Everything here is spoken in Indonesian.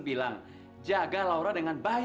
iya kan aku gak tau